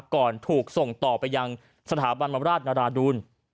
ก่อนถูกส่งต่อไปยังสถาบันบำราชนราดูล